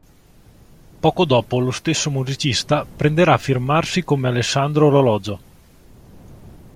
Poco dopo lo stesso musicista prenderà a firmarsi come Alessandro Orologio.